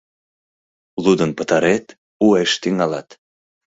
Лудын пытарет — уэш тӱҥалат.